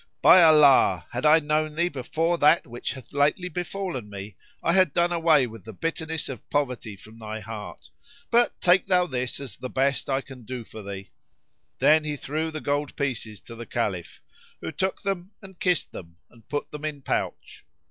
By Allah had I known thee before that which hath lately befallen me, I had done away the bitterness of poverty from thy heart; but take thou this as the best I can do for thee." Then he threw the gold pieces to the Caliph, who took them; and kissed them; and put them in pouch.